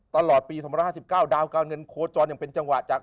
ตลอดปีสมรรถห้าสิบเก้าดาวเก้าเงินโครจรอย่างเป็นจังหวะจาก